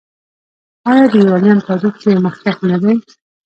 آیا د یورانیم تولید کې مخکښ نه دی؟